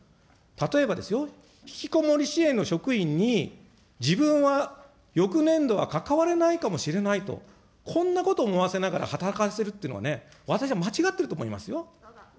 例えばひきこもり支援の職員に自分は翌年度は関われないかもしれないと、こんなこと思わせながら働かせるってのはね、私は間違っていると思いますよ。